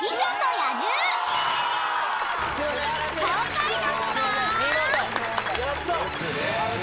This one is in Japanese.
［公開年は？］